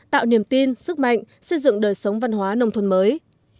tạo niềm tin sức mạnh xây dựng đời sống văn hóa nông thôn mới